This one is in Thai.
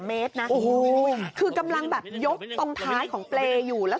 เมตรนะโอ้โหคือกำลังแบบยกตรงท้ายของเปรย์อยู่แล้ว